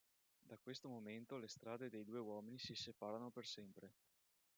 Da questo momento le strade dei due uomini si separano per sempre.